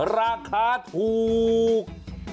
ราคาถูก